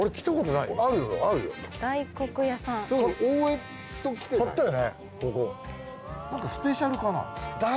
なんかスペシャルかな。